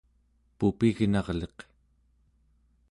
pupignarliq